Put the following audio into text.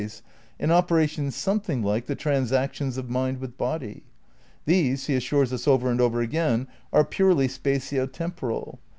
V THE CRITICAL PREPARATIONS 201 operation something like the transactions of mind with body. These, he assures us over and over again, are purely spatio temporal